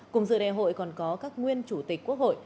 cùng dự đại hội còn có các nguyên chủ tịch quốc hội